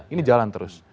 ini jalan terus